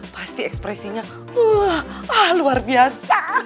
pasti ekspresinya wah luar biasa